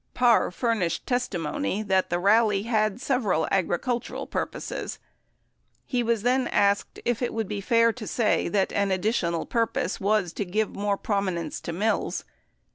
Parr furnished testimony that the rally had several agricultural purposes. He was then asked if it would be fair to say that an addi tional purpose was to give more prominence to Mills.